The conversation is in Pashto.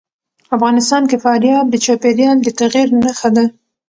افغانستان کې فاریاب د چاپېریال د تغیر نښه ده.